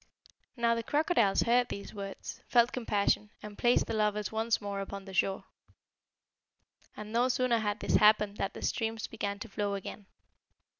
"Now the crocodiles heard these words, felt compassion, and placed the lovers once more upon the shore. And no sooner had this happened than the streams began to flow again.